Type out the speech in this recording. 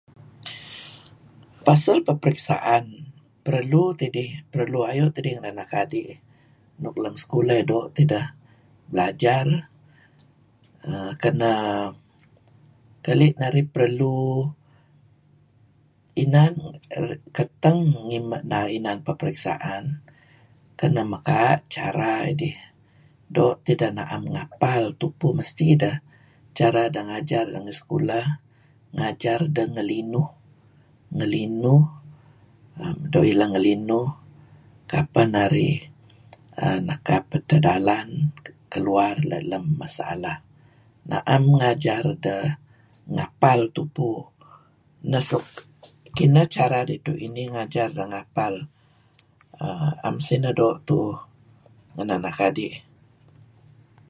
Pasel peperiksaan perlu tidih, perlu ayu' tidih ngan anak adi' nuk lem sekulah doo' tidah belajar keneh keli' narih perlu inan keteng inan peperiksaan kenah mekaa' cara idih doo' tidah na'em ngapal tupu mesti dah cara deh ngajar deh ngi sekulah, ngajar deh ngelinuh, ngelinuh doo' ileh ngelinuh kapeh narih nekap edtah dalan keluar let lem masaalah. Na'em ngajar deh ngapal tupu. Neh suk kineh cara ridtu' inih ngajar deh ngapal. err 'am sineh doo' tu'uh ngen anak adi'.